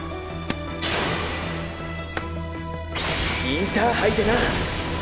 インターハイでな！